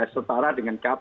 setara dengan kap